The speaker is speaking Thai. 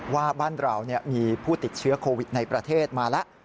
ว่าบ้านเรามีผู้ติดเชื้อโควิดในประเทศมาแล้ว